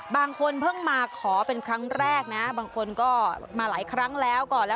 บางคนเพิ่งมาขอเป็นครั้งแรกบางคนก็มาหลายครั้งแล้ว